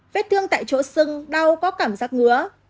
vết thương tại chỗ sưng đau có cảm giác ngứa